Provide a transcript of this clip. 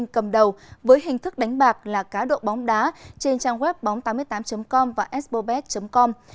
cầm đầu với hình thức đánh bạc là cá độ bóng đá trên trang web bóng tám mươi tám com và expobet com